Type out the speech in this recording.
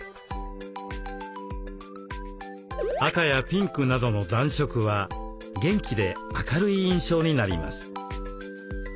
赤やピンクなどの暖色は元気で明るい印象になります。